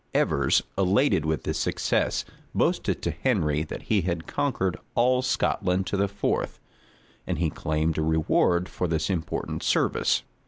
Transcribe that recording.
Evers, elated with this success, boasted to Henry, that he had conquered all Scotland to the Forth; and he claimed a reward for this important service.